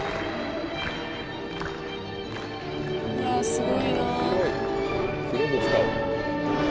すごいな。